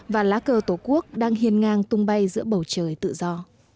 và lá cờ tổ quốc đang hiên ngang tung bay giữa bầu trời tự do